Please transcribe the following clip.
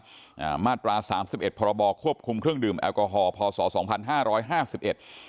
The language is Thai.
อ่ามาตราสามสิบเอ็พรบควบคุมเครื่องดื่มแอลกอฮอลพศสองพันห้าร้อยห้าสิบเอ็ด